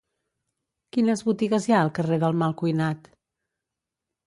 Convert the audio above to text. Quines botigues hi ha al carrer del Malcuinat?